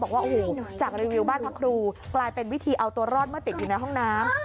บอกว่าโอ้โหจากรีวิวบ้านพระครูกลายเป็นวิธีเอาตัวรอดเมื่อติดอยู่ในห้องน้ำ